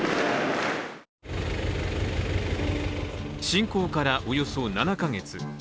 侵攻からおよそ７か月。